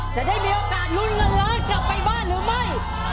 จะได้มีโอกาสลุ้นเงินล้านกลับไปบ้านหรือไม่